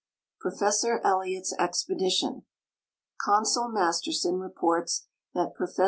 Profe ssor Elliot's Expedition. Consul Masterson reports that Prof. D.